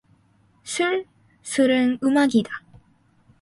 "술? 술은 음악이다!"